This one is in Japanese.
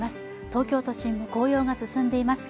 東京都心も紅葉が進んでいます